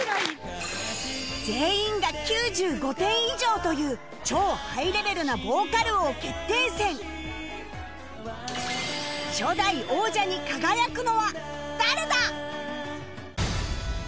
全員が９５点以上という超ハイレベルなヴォーカル王決定戦初代王者に輝くのは誰だ？